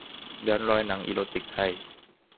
ย้อนรอยหนังอีโรติกไทย